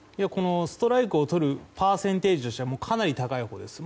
ストライクをとるパーセンテージとしてはかなり高いほうです。